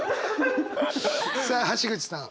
さあ橋口さん。